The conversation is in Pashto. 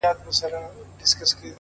خير دی ـ دى كه اوسيدونكى ستا د ښار دى ـ